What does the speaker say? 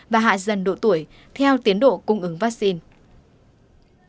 và hạ dần độ tuổi theo tiến độ cung ứng vaccine